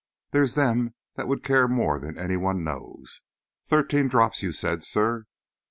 "There's them that would care more than any one knows. Thirteen drops, you said, sir?"